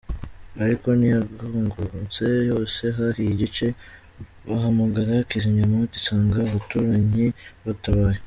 Ariko ntiyakongotse yose, hahiye igice , bahamagara kizimyamoto isanga abaturanyi batabaye”.